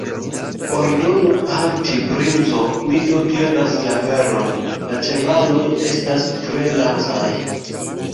Ordonu halti, princo, mi do diras la veron, la ĉevaloj estas tre lacaj.